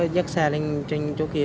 dắt xe lên trên chỗ kia